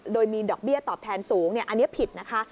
โดยมีดอกเบี้ยตอบแทนสูงอันนี้ผิดนะคะ